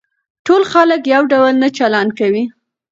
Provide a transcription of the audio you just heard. ټول خلک يو ډول نه چلن کوي.